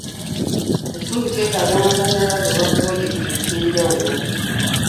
Ekitundu kyetaaga amasannyalaze olwa pulojekiti ez'enjawulo.